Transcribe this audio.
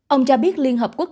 ông cho biết liên hợp quốc